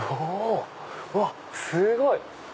うわすごい！